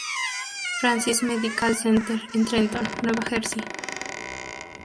Francis Medical Center en Trenton, Nueva Jersey.